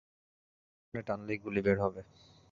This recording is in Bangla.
তারপর এটা পেছনে টানলেই গুলি বের হবে।